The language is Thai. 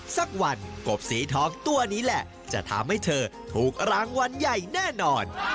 สักวันกบสีทองตัวนี้แหละจะทำให้เธอถูกรางวัลใหญ่แน่นอน